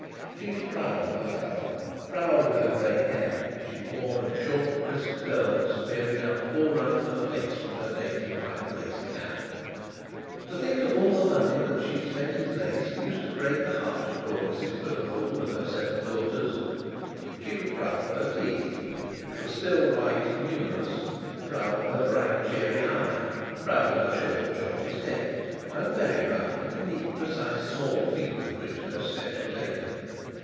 She was proud of her colour, proud of her grey hair which she wore in short crisp curls peering out all around her face from the dainty white cap. To think of all the money that she spent in lace used to break the heart of poor Mrs Quiverful with her seven daughters. She was proud of her teeth, which were still white and numerous, proud of her bright cheery eye, proud of her short jaunty step, and very proud of the neat, precise, small feet with which those steps were taken.